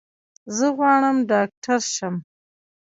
زه غواړم ډاکټر شم.